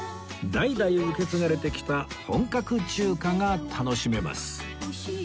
代々受け継がれてきた本格中華が楽しめます